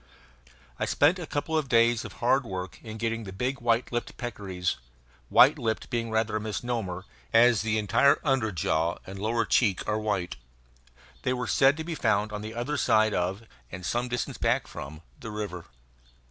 I spent a couple of days of hard work in getting the big white lipped peccaries white lipped being rather a misnomer, as the entire under jaw and lower cheek are white. They were said to be found on the other side of, and some distance back from, the river.